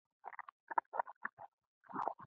تر اسمانه پورې رسي ستا قامت هم